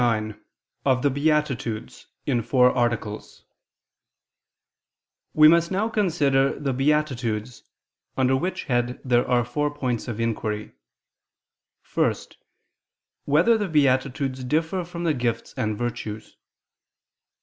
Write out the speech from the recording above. ________________________ QUESTION 69 OF THE BEATITUDES (In Four Articles) We must now consider the beatitudes: under which head there are four points of inquiry: (1) Whether the beatitudes differ from the gifts and virtues?